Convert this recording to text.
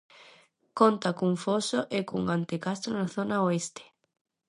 Conta cun foso e cun antecastro na zona oeste.